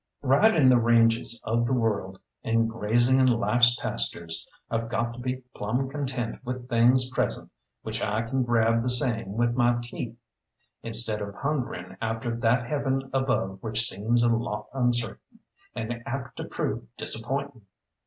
Riding the ranges of the world and grazing in life's pastures, I've got to be plumb content with things present, which I can grab the same with my teeth, instead of hungering after that heaven above which seems a lot uncertain, and apt to prove disappointing.